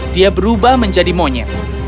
dia berubah menjadi monyet